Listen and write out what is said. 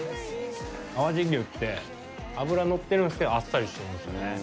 淡路牛って脂がのってるんですけど、あっさりしてるんですよね。